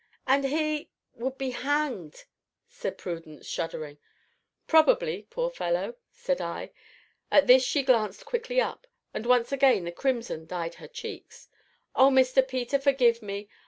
"And he would be hanged!" said Prudence, shuddering. "Probably poor fellow!" said I. At this she glanced quickly up, and once again the crimson dyed her cheeks. "Oh, Mr. Peter, forgive me!